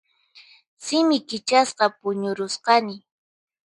Simi kichasqa puñurusqani.